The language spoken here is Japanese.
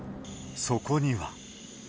そこには。